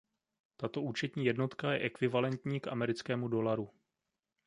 Tato účetní jednotka je ekvivalentní k americkému dolaru.